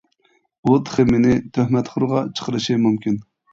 ئۇ تېخى مېنى تۆھمەتخورغا چىقىرىشى مۇمكىن.